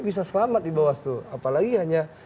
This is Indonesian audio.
bisa selamat di bawah itu apalagi hanya